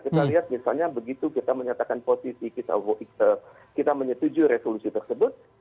kita lihat misalnya begitu kita menyatakan posisi kita menyetujui resolusi tersebut